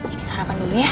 ini sarapan dulu ya